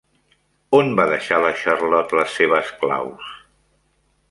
On va deixar la Charlotte les seves claus?